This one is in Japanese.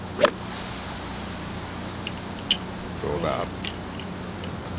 どうだ？